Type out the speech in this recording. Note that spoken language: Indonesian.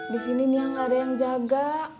di sini mia gak ada yang jaga